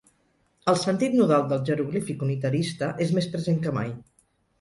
El sentit nodal del jeroglífic unitarista és més present que mai.